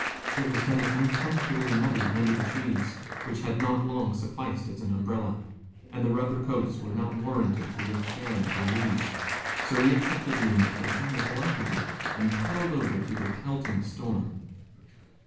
It was getting uncomfortably muddy under the trees, which had not long sufficed as an umbrella, and the rubber coats were not warranted to withstand a deluge, so we accepted the invitation with alacrity and paddled over through the pelting storm.